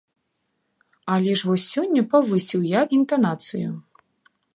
Але ж вось сёння павысіў я інтанацыю.